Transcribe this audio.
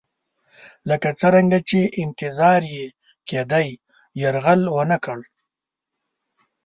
لکه څرنګه چې انتظار یې کېدی یرغل ونه کړ.